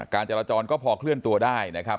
การจัดละจรก็พอเคลื่อนตัวได้นะครับ